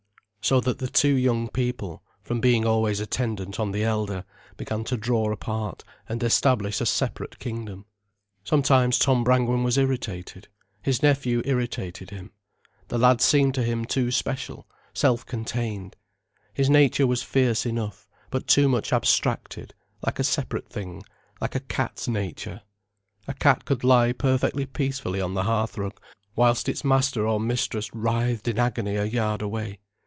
So that the two young people, from being always attendant on the elder, began to draw apart and establish a separate kingdom. Sometimes Tom Brangwen was irritated. His nephew irritated him. The lad seemed to him too special, self contained. His nature was fierce enough, but too much abstracted, like a separate thing, like a cat's nature. A cat could lie perfectly peacefully on the hearthrug whilst its master or mistress writhed in agony a yard away.